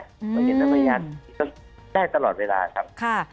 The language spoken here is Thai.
มอสือประยันได้ตลอดเวลาครับ